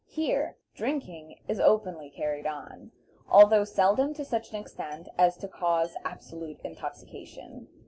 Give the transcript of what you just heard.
Here drinking is openly carried on, although seldom to such an extent as to cause absolute intoxication.